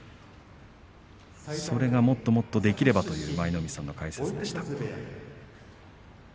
それがもっともっとできればという舞の海さんの解説でした。